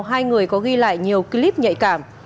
hai người có ghi lại nhiều clip nhạy cảm